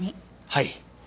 はい。